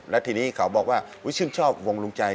แล้วทีนี้เขาบอกว่าก๊วยชินชอบวงรุ่งใจ